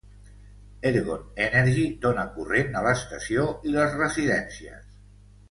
Ergon Energy dona corrent a l'estació i les residències.